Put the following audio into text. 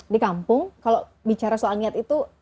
di kampung kalau bicara soal niat itu